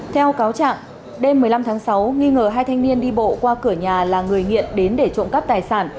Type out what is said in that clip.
theo cáo trạng đêm một mươi năm tháng sáu nghi ngờ hai thanh niên đi bộ qua cửa nhà là người nghiện đến để trộm cắp tài sản